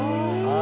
あ！